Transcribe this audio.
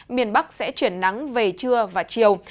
miền bắc sẽ chuyển nắng về trưa và chiều